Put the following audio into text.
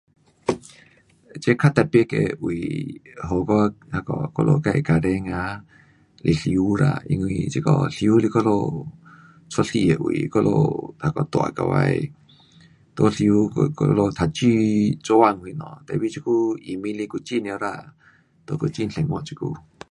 这较特别的位，在我，那个我们自家庭啊是诗巫啦，因为这个诗巫是我们出世的位，我们那个大起来，在诗巫我，我们读书做工什么，tapi 这久移民来古晋了啦，在古晋生活这久。